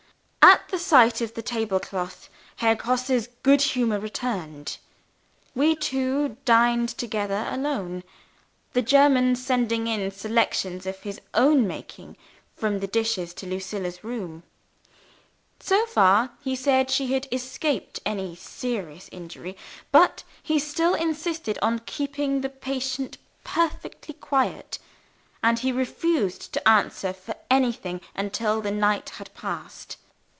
At the sight of the table cloth, Herr Grosse's good humour returned. We two dined together alone the German sending in selections of his own making from the dishes to Lucilla's room. So far, he said, she had escaped any serious injury. But he still insisted on keeping his patient perfectly quiet, and he refused to answer for anything until the night had passed.